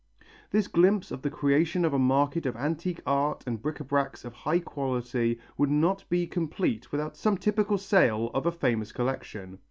This glimpse of the creation of a market of antique art and bric à bracs of high quality would not be complete without some typical sale of a famous collection.